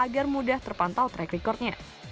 agar mudah terpantau track record nya